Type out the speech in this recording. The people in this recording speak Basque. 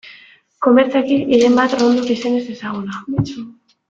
Komertzialki gehien bat Roundup izenez ezaguna.